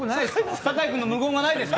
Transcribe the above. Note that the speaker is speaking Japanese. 酒井君のはないんですか？